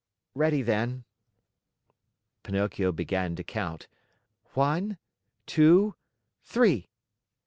"Ready then!" Pinocchio began to count, "One! Two! Three!"